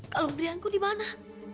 kalung belianku dimana